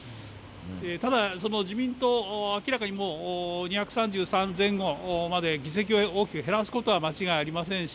ただ自民党、明らかにもう２３３前後まで議席を大きく減らすことは間違いありませんし